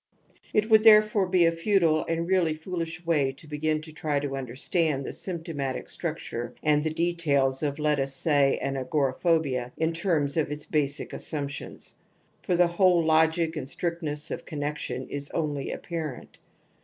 It would therefore be a futile and really fooUsh way to begin to try to under stand the symptomatic structure, and the details of, let us say, an agoraphobia, in terms of its basic assumptions. For the whole logic and strictness of connexion is only apparent.